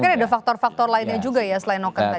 tapi kan ada faktor faktor lainnya juga ya selain noken tadi